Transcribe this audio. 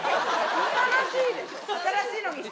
新しいのにして。